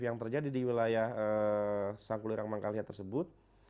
yang terjadi di wilayah sang kulirang mangkalnia tersebut